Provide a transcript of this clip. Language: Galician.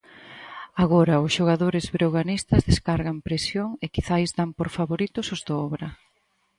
Agora os xogadores breoganistas descargan presión, e quizais dan por favoritos os do Obra.